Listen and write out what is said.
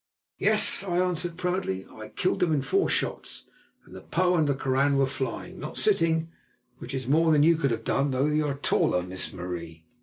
"Yes," I answered proudly; "I killed them in four shots, and the pauw and koran were flying, not sitting, which is more than you could have done, although you are taller, Miss Marie."